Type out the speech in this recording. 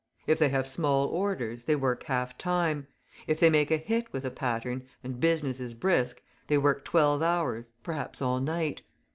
If they have small orders, they work half time; if they make a hit with a pattern, and business is brisk, they work twelve hours, perhaps all night.